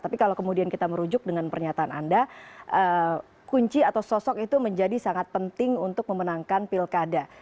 tapi kalau kemudian kita merujuk dengan pernyataan anda kunci atau sosok itu menjadi sangat penting untuk memenangkan pilkada